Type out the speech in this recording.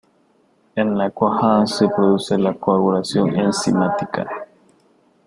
En la cuajada se produce la coagulación enzimática.